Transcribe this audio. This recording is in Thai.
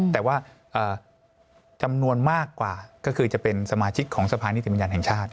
แต่ว่าจำนวนมากกว่าก็คือจะเป็นสมาชิกของสภานิติบัญญัติแห่งชาติ